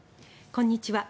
こんにちは。